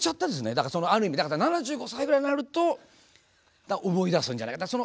だからある意味７５歳ぐらいになると思い出すんじゃないかな。